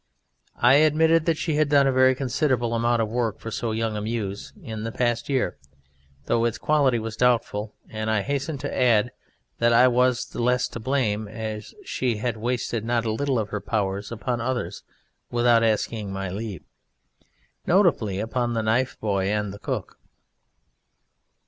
I admitted that she had done a very considerable amount of work for so young a Muse in the past year, though its quality was doubtful, and I hastened to add that I was the less to blame as she had wasted not a little of her powers upon others without asking my leave; notably upon the knife boy and the cook.